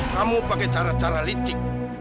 kamu pakai cara cara licik